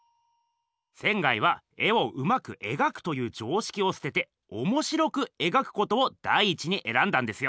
仙は絵をうまくえがくという常識をすてておもしろくえがくことを第一にえらんだんですよ。